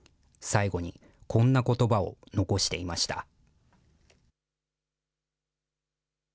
最後に、こんなことばを残していました。